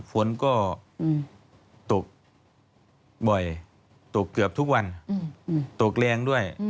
ฝนก็ตกบ่อยตกเกือบทุกวันตกแรงด้วย